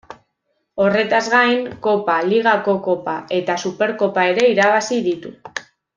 Horretaz gain Kopa, Ligako Kopa eta Superkopa ere irabazi ditu.